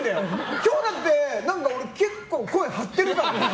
今日だって結構声張ってるだろ？